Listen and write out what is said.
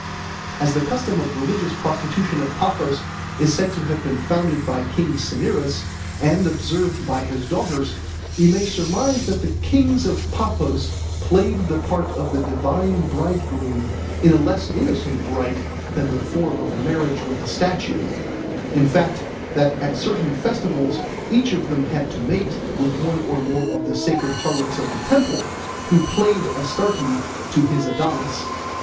As the custom of religious prostitution at Paphos is said to have been founded by king Cinyras and observed by his daughters, we may surmise that the kings of Paphos played the part of the divine bridegroom in a less innocent rite than the form of marriage with a statue; in fact, that at certain festivals each of them had to mate with one or more of the sacred harlots of the temple, who played Astarte to his Adonis.